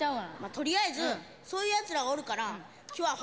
「取りあえずそういうやつらおるから今日は」